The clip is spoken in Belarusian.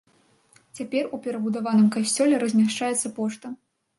Цяпер у перабудаваным касцёле размяшчаецца пошта.